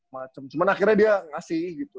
macem cuman akhirnya dia ngasih gitu